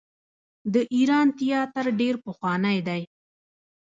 د ایران تیاتر ډیر پخوانی دی.